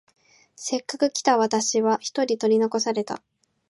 せっかく来た私は一人取り残された。